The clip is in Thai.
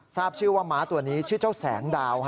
ทราบชื่อว่าม้าตัวนี้ชื่อเจ้าแสงดาว